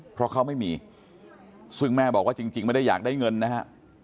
เพราะเขาไม่มีซึ่งแม่บอกว่าจริงไม่ได้อยากได้เงินนะฮะ